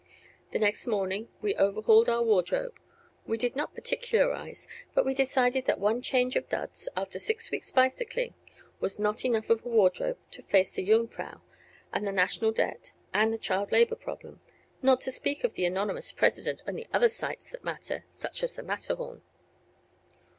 The next morning we overhauled our wardrobe. We will not particularize, but we decided that one change of duds, after six weeks' bicycling, was not enough of a wardrobe to face the Jungfrau and the national debt and the child labor problenm, not to speak of the anonymous President and the other sights that matter (such as the Matterhorn).